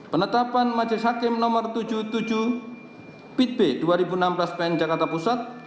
penetapan majelis hakim nomor tujuh puluh tujuh pit b dua ribu enam belas pn jakarta pusat